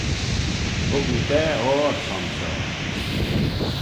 Hug mee daa oyr son shoh.